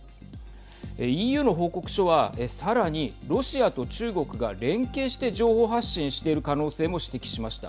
ＥＵの報告書は、さらにロシアと中国が連携して情報発信している可能性も指摘しました。